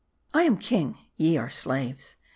I am king : ye are slaves.